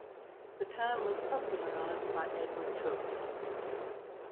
The term was popularized by Edward Tufte.